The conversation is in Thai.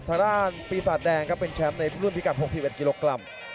ทางด้านปีศาจแดงครับเป็นแชมป์ในรุ่นพิการ๖๑กิโลกรัม